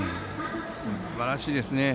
すばらしいですね。